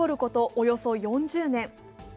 およそ４０年。